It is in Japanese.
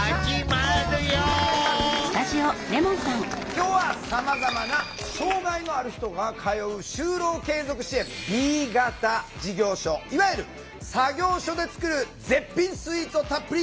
今日はさまざまな障害のある人が通う就労継続支援Ｂ型事業所いわゆる作業所で作る絶品スイーツをたっぷりご紹介してまいります。